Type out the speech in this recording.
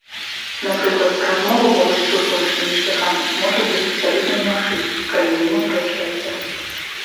Напрыклад, размова побач з чыгуначнымі шляхамі можа быць абсалютна немагчымым, калі міма праязджае цягнік.